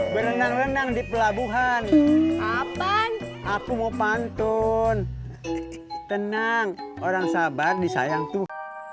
berlengang lengang di pelabuhan apa aku mau pantun tenang orang sahabat disayang tuh